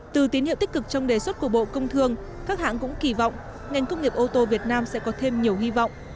từ tín hiệu tích cực trong đề xuất của bộ công thương các hãng cũng kỳ vọng ngành công nghiệp ô tô việt nam sẽ có thêm nhiều hy vọng